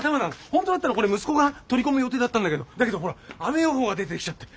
本当だったらこれ息子が取り込む予定だったんだけどだけどほら雨予報が出てきちゃって。